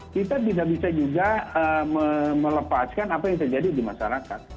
kita tidak bisa juga melepaskan apa yang terjadi di masyarakat